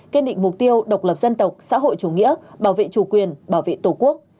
kiên định mục tiêu độc lập dân tộc xã hội chủ nghĩa bảo vệ chủ quyền bảo vệ tổ quốc